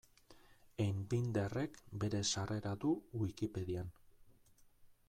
Einbinderrek bere sarrera du Wikipedian.